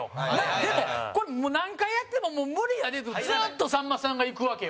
でも、これ、何回やっても無理やでっていうのに、ずっとさんまさんがいくわけよ。